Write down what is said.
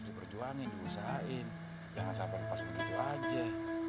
lu harus berjuangin diusahain jangan sampai lepas begitu aja